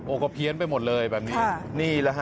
โอกเพี้ยนไปหมดเลยแบบนี้